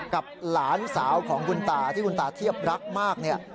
กับหลานสาวของคุณตาที่คุณตาเทียบรักมากเนี่ย